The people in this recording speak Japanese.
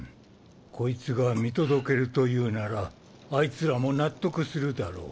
こいつが見届けるというならあいつらも納得するだろう。